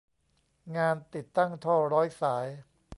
งานติดตั้งท่อร้อยสาย